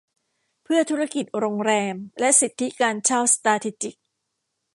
เพื่อธุรกิจโรงแรมและสิทธิการเช่าสตราทีจิก